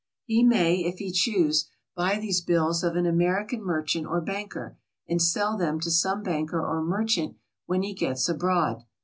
He may, if he choose, buy these bills of an Ameri can merchant or banker, and sell them to some banker or merchant when he gets abroad.